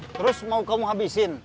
terus mau kamu habisin